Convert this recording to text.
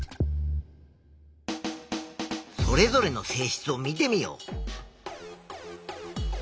それぞれの性質を見てみよう。